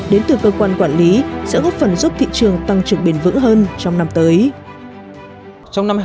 đến từ cơ quan quản lý sẽ góp phần giúp thị trường tăng trưởng bền vững hơn trong năm tới